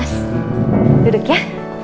mas duduk ya